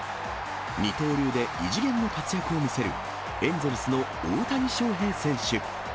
二刀流で異次元の活躍を見せる、エンゼルスの大谷翔平選手。